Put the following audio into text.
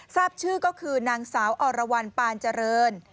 ทราบชื่อก็คือนางสาวอรวรรณปานเจริญ